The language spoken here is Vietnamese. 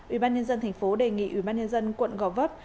ủy ban nhân dân tp hcm đề nghị ủy ban nhân dân quận gò vấp